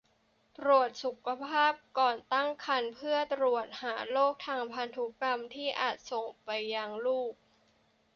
ตรวจสุขภาพก่อนตั้งครรภ์เพื่อตรวจหาโรคทางพันธุกรรมที่อาจส่งไปยังลูก